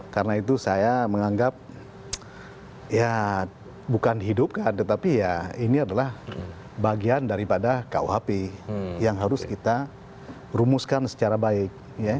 karena itu saya menganggap ya bukan dihidupkan tetapi ya ini adalah bagian daripada kuhp yang harus kita rumuskan secara baik